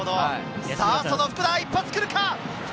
その福田、一発来るか？